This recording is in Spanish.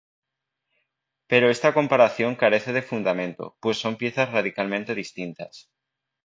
Pero esta comparación carece de fundamento, pues son piezas radicalmente distintas.